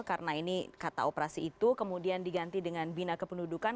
karena ini kata operasi itu kemudian diganti dengan bina kependudukan